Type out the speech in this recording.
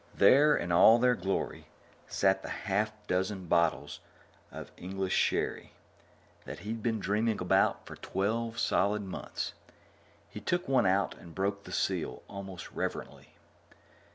There, in all their glory, sat the half dozen bottles of English sherry that he'd been dreaming about for twelve solid months. He took one out and broke the seal almost reverently.